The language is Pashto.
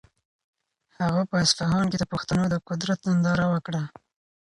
هغه په اصفهان کې د پښتنو د قدرت ننداره وکړه.